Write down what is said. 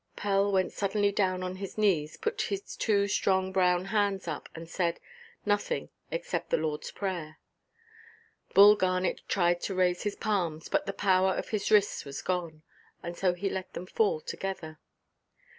_" Pell went suddenly down on his knees, put his strong brown hands up, and said nothing except the Lordʼs Prayer. Bull Garnet tried to raise his palms, but the power of his wrists was gone, and so he let them fall together.